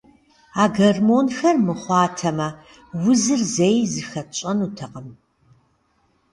А гормонхэр мыхъуатэмэ, узыр зэи зыхэтщӏэнутэкъым.